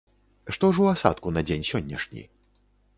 Што ж у асадку на дзень сённяшні?